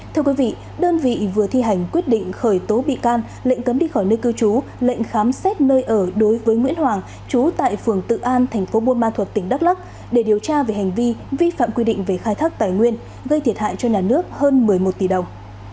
thưa quý vị đơn vị vừa thi hành quyết định khởi tố bị can lệnh cấm đi khỏi nơi cư trú lệnh khám xét nơi ở đối với nguyễn hoàng trú tại phường tự an thành phố buôn ma thuật tỉnh đắk lắc để điều tra về hành vi vi phạm quy định về khai thác tài nguyên gây thiệt hại cho nhà nước hơn một mươi một tỷ đồng